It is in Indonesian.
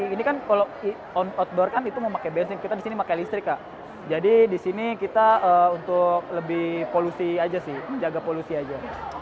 ini kan kalau outdoor kan itu mau pakai bensin kita disini pakai listrik kak jadi di sini kita untuk lebih polusi aja sih menjaga polusi aja